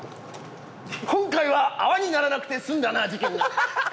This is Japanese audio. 今回は泡にならなくて済んだな事件が。